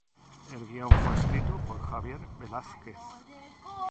El guion fue escrito por Javier Velásquez.